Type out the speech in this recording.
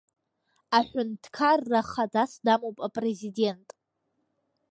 Аҳәынҭқарра хадас дамоуп апрезидент.